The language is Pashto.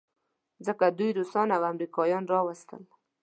ځکه دوی روسان او امریکایان راوستل.